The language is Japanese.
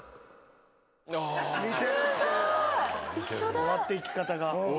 終わっていき方が。